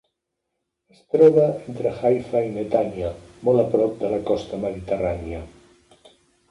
Es troba entre Haifa i Netanya, molt a prop de la costa mediterrània.